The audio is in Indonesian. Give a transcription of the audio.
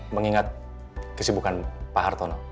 mengingat kesibukan pak hartono